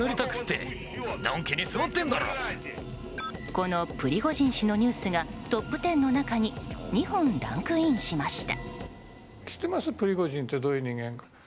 このプリゴジン氏のニュースがトップ１０の中に２本ランクインしました。